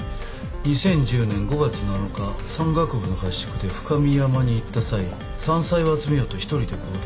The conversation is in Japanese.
２０１０年５月７日山岳部の合宿で深美山に行った際山菜を集めようと１人で行動。